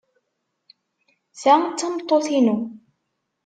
Ta d tameṭṭut-inu.